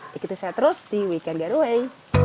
begitu saya terus di we can get away